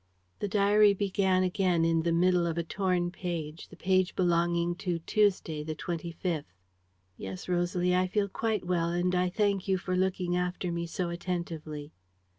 The diary began again at the middle of a torn page, the page belonging to Tuesday the 25th: "'Yes, Rosalie, I feel quite well and I thank you for looking after me so attentively.'